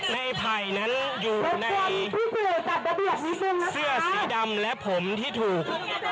ในไผ่นั้นอยู่ในเสื้อสีดำและผมที่ถูก